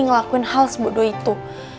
ngelakuin hal sebodoh itu